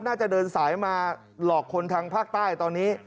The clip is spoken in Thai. น่าจะเดินสายมาหลอกคนทางภาคใต้ตอนนี้